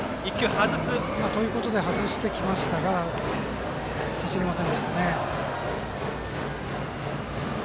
ということで外してきましたが走りませんでしたね。